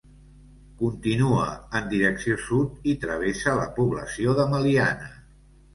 Continua en direcció sud i travessa la població de Meliana.